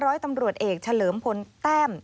ร้อยตำรวจเอกเฉลิมพลแต้ม